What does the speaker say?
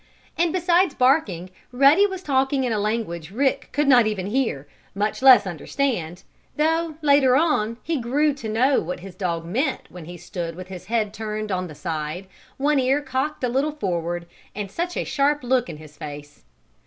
And besides barking, Ruddy was talking in a language Rick could not even hear, much less understand, though, later on, he grew to know what his dog meant when he stood with head turned on the side, one ear cocked a little forward and such a sharp look on his face.